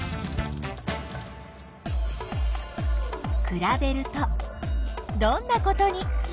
くらべるとどんなことに気がついた？